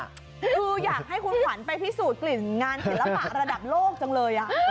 คืออยากให้คุณขวัญไปพิสูจนกลิ่นงานศิลปะระดับโลกจังเลย